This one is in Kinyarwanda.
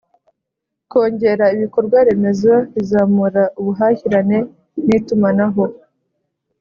Kongera ibikorwaremezo bizamura ubuhahirane n itumanaho